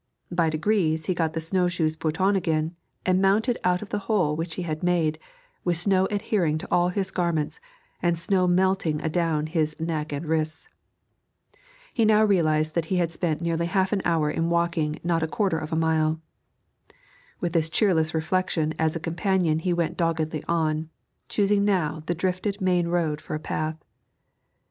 By degrees he got the snow shoes put on again, and mounted out of the hole which he had made, with snow adhering to all his garments and snow melting adown his neck and wrists. He now realised that he had spent nearly half an hour in walking not a quarter of a mile. With this cheerless reflection as a companion he went doggedly on, choosing now the drifted main road for a path.